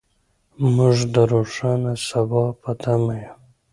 موږ د روښانه سبا په تمه یو.